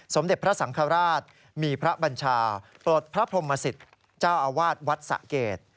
สมเด็จพระสังฆราชมีพระบัญชาปลดพระพรหมสิตเจ้าอาวาสวัดสะเกด